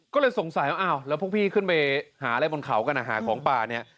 ก็เลยสงสัยว่าอ้าวแล้วพวกพี่ขึ้นไปหาอะไรบนเขากันหาของป่าเนี่ย